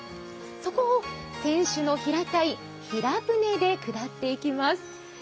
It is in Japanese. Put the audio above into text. そこを船首の平たい平舟で下っていきます。